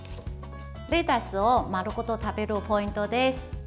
レタスを丸ごと食べるポイントです。